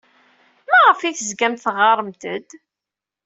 Maɣef ay tezgamt teɣɣaremt-d?